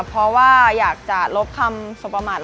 เพราะว่าอยากจะลบคำสมประมาท